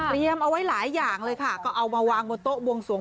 เอาไว้หลายอย่างเลยค่ะก็เอามาวางบนโต๊ะบวงสวง